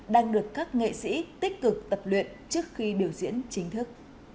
đang được các nghệ sĩ tích cực tập luyện trước khi biểu diễn chính thức